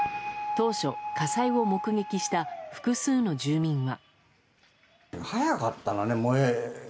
当初、火災を目撃した複数の住民は。